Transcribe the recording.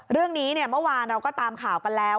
เรื่องนี้เมื่อวานเราก็ตามข่าวกันแล้ว